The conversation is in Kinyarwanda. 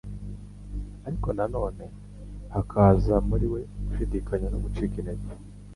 Ariko na none hakaza muri we gushidikanya no gucika intege,